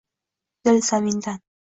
Dil zamindan